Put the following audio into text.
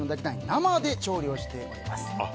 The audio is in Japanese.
生で調理をしております。